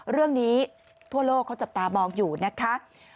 เรื่องนี้ทั่วโลกเขาจับตามองอยู่นะคะ